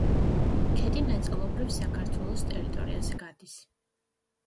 ქედი ნაწილობრივ საქართველოს ტერიტორიაზე გადის.